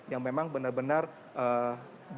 yang memang benar benar ee